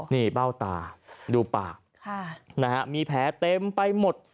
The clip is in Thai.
นี่เบ้าตาดูปากมีแผลเต็มไปหมด